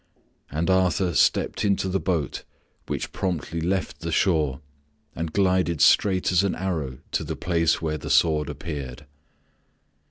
And Arthur stepped into the boat, which promptly left the shore and glided straight as an arrow to the place where the sword appeared.